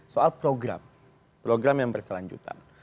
soal program program yang berkelanjutan